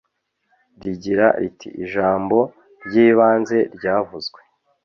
rigira riti ijambo ryibanze ryavuzwe